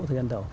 thời gian đầu